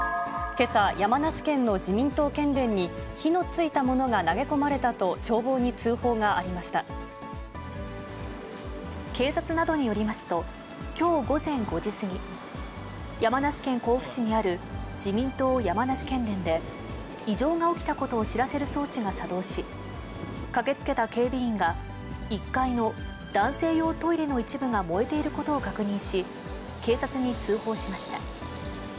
けさ、山梨県の自民党県連に、火のついたものが投げ込まれたと消防に通警察などによりますと、きょう午前５時過ぎ、山梨県甲府市にある自民党山梨県連で、異常が起きたことを知らせる装置が作動し、駆けつけた警備員が１階の男性用トイレの一部が燃えていることを確認し、警察に通報しました。